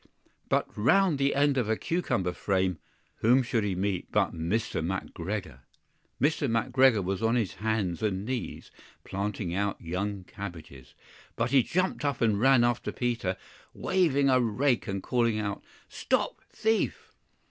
BUT round the end of a cucumber frame, whom should he meet but Mr. McGregor! MR. McGREGOR was on his hands and knees planting out young cabbages, but he jumped up and ran after Peter, waving a rake and calling out, "Stop thief!"